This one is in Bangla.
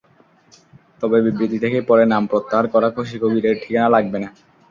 তবে বিবৃতি থেকে পরে নাম প্রত্যাহার করা খুশী কবিরের ঠিকানা লাগবে না।